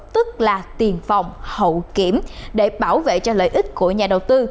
tức là tiền phòng hậu kiểm để bảo vệ cho lợi ích của nhà đầu tư